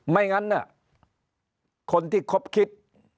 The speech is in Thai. ไม่งั้นคนที่คบคิด